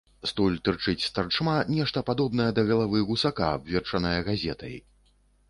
Стуль тырчыць старчма нешта падобнае да галавы гусака, абверчанае газетай.